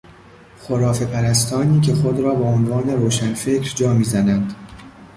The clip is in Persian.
خرافهپرستانی که خود را به عنوان روشنفکر جا میزنند